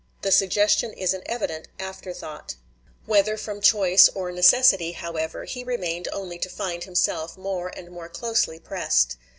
The suggestion is an evident afterthought. Whether from choice or necessity, however, he remained only to find himself more and more closely pressed.